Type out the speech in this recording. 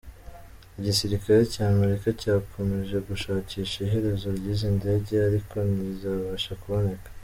Igisirikare cya Amerika cyakomje gushakisha iherezo ry’izi ndege ariko ntizabasha kuboneka.